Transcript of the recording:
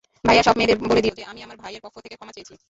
ভাইয়া, সব মেয়েদের বলে দিও যে আমি আমার ভাইয়ের পক্ষ হয়ে ক্ষমা চেয়েছি।